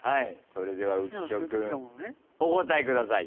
それでは浮所君お答えください。